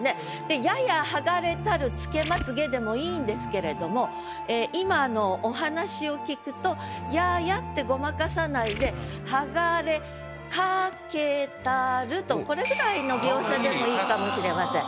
「やや剥がれたる付け睫毛」でもいいんですけれども今のお話を聞くと「やや」ってごまかさないで「剥がれかけたる」とこれぐらいの描写でもいいかもしれません。